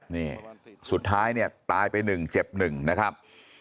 นี่สุดท้ายเนี่ยตายไปหนึ่งเจ็บหนึ่งนะครับ